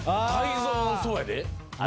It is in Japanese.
泰造そうやで？